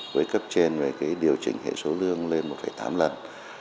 với cấp trên về điều chỉnh hệ số lương lên một tám lần